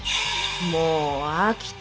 もう飽きた。